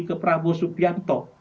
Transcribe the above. ke prabowo subianto